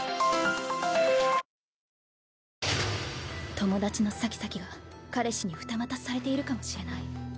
友達のサキサキが彼氏に二股されているかもしれない。